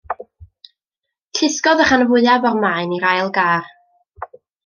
Llusgodd y rhan fwyaf o'r maen i'r ail gar.